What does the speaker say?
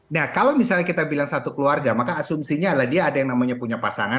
nah kalau misalnya kita bilang satu keluarga maka asumsinya adalah dia ada yang namanya punya pasangan